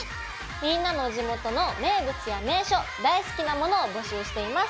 みんなの地元の名物や名所大好きなものを募集しています。